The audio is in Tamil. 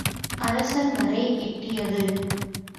அரசன் வரை எட்டியது.